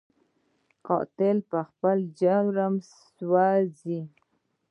قاتل په خپل جرم کې سوځي